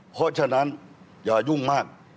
เพราะฉะนั้นอย่ายุ่งมาก